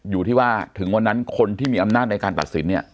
อยู่ที่ว่าถึงวันนั้นคนที่มีอำนาจในการตัดสินเนี่ย